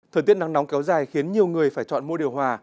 thời tiết nắng nóng kéo dài khiến nhiều người phải chọn mua điều hòa